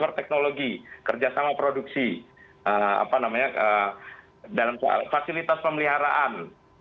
transfer teknologi kerja sama produksi dalam soal fasilitas pemeliharaan